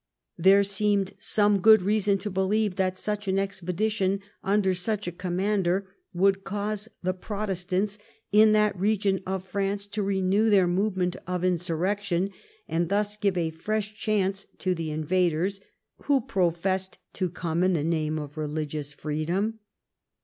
There seemed some good reason to believe that such an expedition under such a commander would cause the Protestants in that region of France to renew their movement of insurrection, and thus give a fresh chance to the invaders, who professed to come in the name of religious freedom.